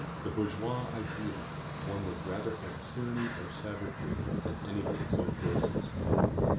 The bourgeois ideal! One would rather have tyranny or savagery than anything so gross and smug.